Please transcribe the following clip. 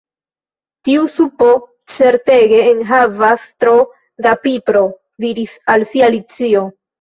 "Tiu supo certege enhavas tro da pipro," diris al si Alicio.